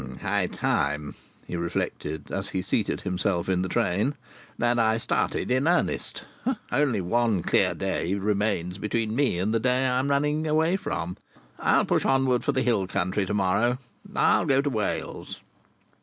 "High time," he reflected, as he seated himself in the train, "that I started in earnest! Only one clear day remains between me and the day I am running away from. I'll push onward for the hill country to morrow. I'll go to Wales."